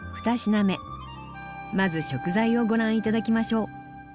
まず食材をご覧頂きましょう。